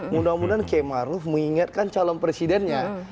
mudah mudahan km arief mengingatkan calon presidennya